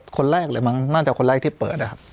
คนแรกเลยมั้งน่าจะคนแรกที่เปิดนะครับ